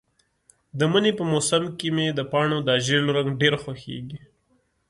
د مني په موسم کې مې د پاڼو دا ژېړ رنګ ډېر خوښیږي.